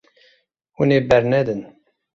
Hûn ê bernedin.